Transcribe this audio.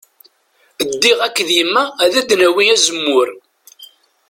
Ddiɣ akked yemma ad d-nawi azemmur.